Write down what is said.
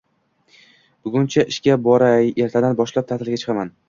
Buguncha ishga boray, ertadan boshlab ta’tilga chiqaman.